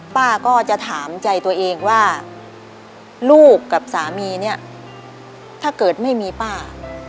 ป้าก็จะถามใจตัวเองว่าลูกกับสามีเนี่ยถ้าเกิดไม่มีป้า